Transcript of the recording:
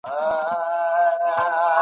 د اسراف او بې ځایه مصرف څخه ډډه وکړئ.